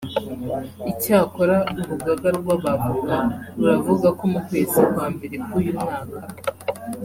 Icyakora Urugaga rw’Abavoka ruravuga ko mu kwezi kwa mbere k’uyu mwaka